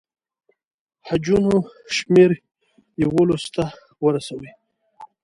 حجونو شمېر یوولسو ته ورسوي.